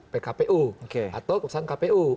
pkpu atau keputusan kpu